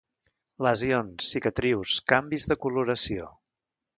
Lesions, cicatrius, canvis de coloració.